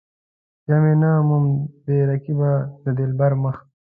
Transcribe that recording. بیا مې نه موند بې رقيبه د دلبر مخ.